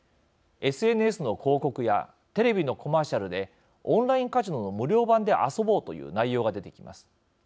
ＳＮＳの広告やテレビのコマーシャルでオンラインカジノの無料版で遊ぼうという内容が出てきます。